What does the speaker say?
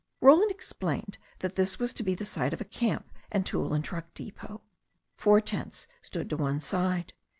Roland explained that this was to be the site of a camp and tool and truck depot. Four tents stood to one side.